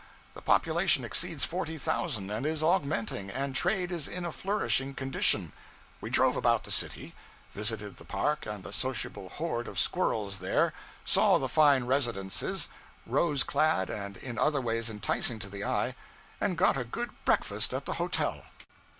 The population exceeds forty thousand and is augmenting, and trade is in a flourishing condition. We drove about the city; visited the park and the sociable horde of squirrels there; saw the fine residences, rose clad and in other ways enticing to the eye; and got a good breakfast at the hotel.